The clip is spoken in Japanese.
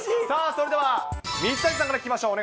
それでは水谷さんから聞きましょう。